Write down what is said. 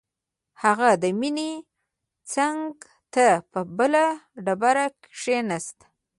هغه د مينې څنګ ته په بله ډبره کښېناست.